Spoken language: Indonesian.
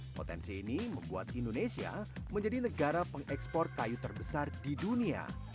potensi ini membuat indonesia menjadi negara pengekspor kayu terbesar di dunia